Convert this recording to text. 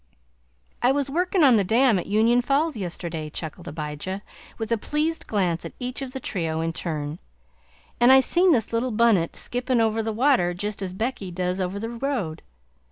"I was working on the dam at Union Falls yesterday," chuckled Abijah, with a pleased glance at each of the trio in turn, "an' I seen this little bunnit skippin' over the water jest as Becky does over the road.